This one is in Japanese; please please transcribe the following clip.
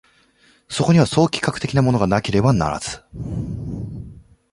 そこには総企画的なものがなければならず、